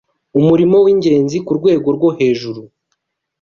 umurimo w’ingenzi ku rwego rwo hejuru.